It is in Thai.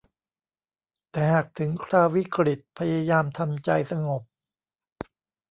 แต่หากถึงคราววิกฤตพยายามทำใจสงบ